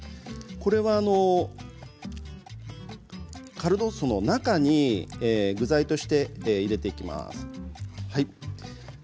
カルドッソの中に具材として入れていきます。